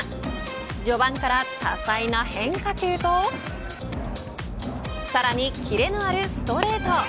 序盤から多彩な変化球とさらに切れのあるストレート。